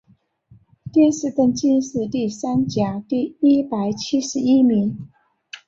殿试登进士第三甲第一百七十一名。